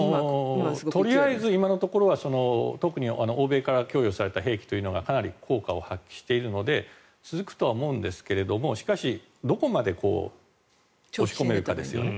とりあえず今のところは特に、欧米から供与された兵器というのがかなり効果を発揮しているので続くとは思うんですがしかし、どこまで押し込めるかですよね。